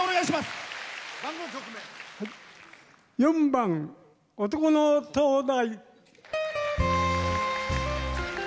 ４番「男の燈台」。